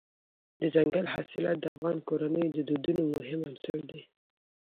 دځنګل حاصلات د افغان کورنیو د دودونو مهم عنصر دی.